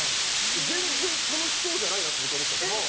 全然楽しそうじゃないなと僕は思ってたんですよ。